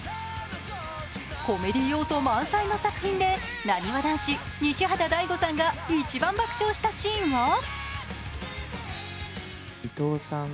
コメディー要素満載の作品でなにわ男子・西畑大吾さんが一番爆笑したシーンは？